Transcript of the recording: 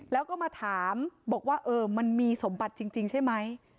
แล้วก็มาถามบอกว่ามันมีสมบัติจริงใช่ไหม